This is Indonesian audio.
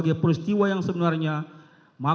kita harus membuatnya